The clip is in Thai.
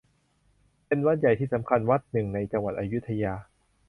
เป็นวัดใหญ่ที่สำคัญวัดหนึ่งในจังหวัดอยุธยา